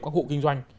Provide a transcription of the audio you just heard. các hộ kinh doanh